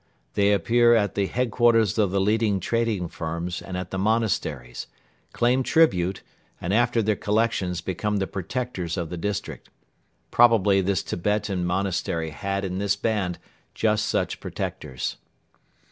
They appear at the headquarters of the leading trading firms and at the monasteries, claim tribute and after their collections become the protectors of the district. Probably this Tibetan monastery had in this band just such protectors.